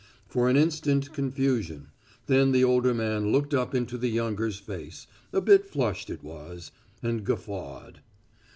For an instant confusion; then the older man looked up into the younger's face a bit flushed it was and guffawed.